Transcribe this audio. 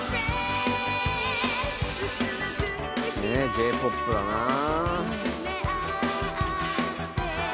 Ｊ−ＰＯＰだなあ。